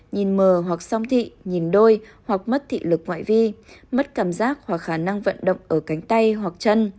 nhìn mờ hoặc song thị nhìn đôi hoặc mất thị lực ngoại vi mất cảm giác hoặc khả năng vận động ở cánh tay hoặc chân